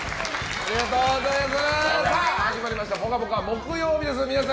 ありがとうございます。